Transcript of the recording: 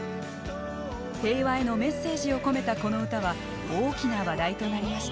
平和へのメッセージを込めたこの歌は大きな話題となりました。